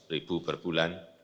rp sepuluh per bulan